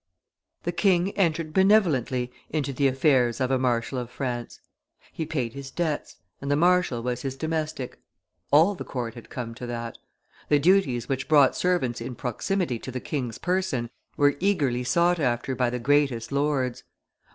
The king entered benevolently into the affairs of a marshal of France; he paid his debts, and the marshal was his domestic; all the court had come to that; the duties which brought servants in proximity to the king's person were eagerly sought after by the greatest lords.